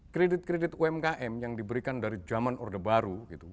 kredit kredit umkm yang diberikan dari zaman orde baru